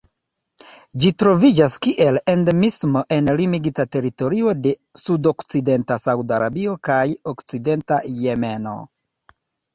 Ĝi troviĝas kiel endemismo en limigita teritorio de sudokcidenta Sauda Arabio kaj okcidenta Jemeno.